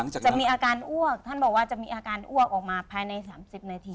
จะมีอาการอ้วกท่านบอกว่าจะมีอาการอ้วกออกมาภายใน๓๐นาที